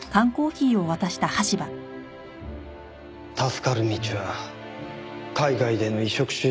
助かる道は海外での移植手術しかないって。